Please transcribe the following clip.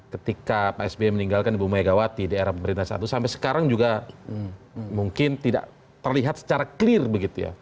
ketika pak sby meninggalkan ibu megawati di era pemerintah satu sampai sekarang juga mungkin tidak terlihat secara clear begitu ya